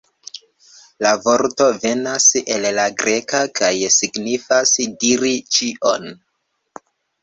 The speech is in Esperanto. La vorto venas el la greka kaj signifas "diri ĉion".